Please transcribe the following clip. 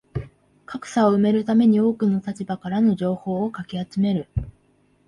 格差を埋めるために多くの立場からの情報をかき集める